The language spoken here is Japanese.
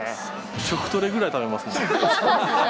食トレぐらい食べますね。